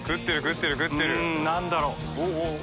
Δ何だろう？